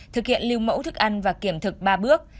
thực hiện lưu mẫu thức ăn và kiểm thực ba bước